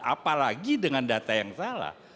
apalagi dengan data yang salah